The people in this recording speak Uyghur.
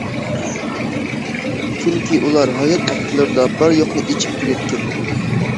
چۈنكى ئۇلار ھايات ۋاقىتلىرىدا بار- يوقىنى ئىچىپ تۈگەتكەن.